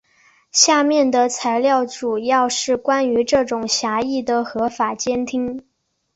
下面的材料主要是关于这种狭义的合法监听。